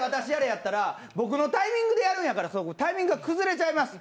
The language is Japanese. やったら、僕のタイミングでやるんだからタイミング、崩れちゃいます。